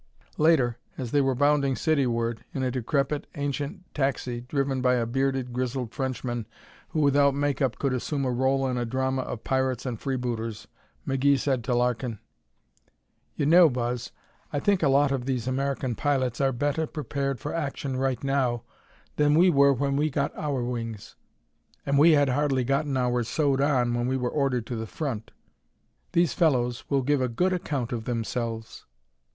Later, as they were bounding cityward in a decrepit, ancient taxi driven by a bearded, grizzled Frenchman who without make up could assume a role in a drama of pirates and freebooters, McGee said to Larkin: "You know, Buzz, I think a lot of these American pilots are better prepared for action right now than we were when we got our wings. And we had hardly gotten ours sewed on when we were ordered to the front. These fellows will give a good account of themselves."